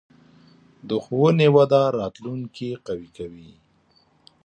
د ښوونې وده راتلونکې قوي کوي.